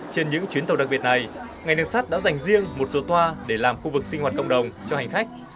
trên những chuyến tàu đặc biệt này ngành nâng sắt đã dành riêng một số toa để làm khu vực sinh hoạt cộng đồng cho hành khách